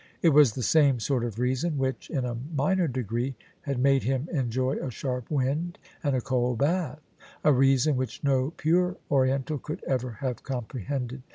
It was the same sort of reason which, in a minor degree, had made him enjoy a sharp wind and a cold bath : a reason which no pure Oriental could ever have comprehended.